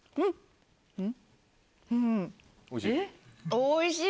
おいしい？